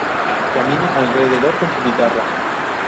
Camina alrededor con su guitarra.